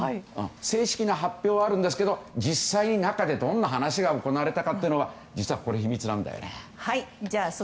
正式な発表はあるんですけど実際に中でどんな話が行われたのかは秘密なんです。